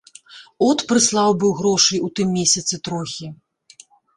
От прыслаў быў грошай у тым месяцы трохі.